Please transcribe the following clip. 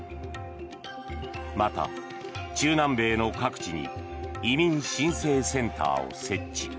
また、中南米の各地に移民申請センターを設置。